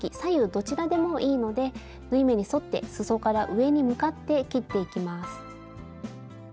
どちらでもいいので縫い目に沿ってすそから上に向かって切っていきます。